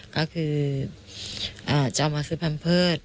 ก็คือจะเอามาซื้อแพมเพิร์ต